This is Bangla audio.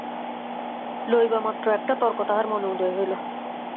লইবামাত্র একটা তর্ক তাহার মনে উদয় হইল।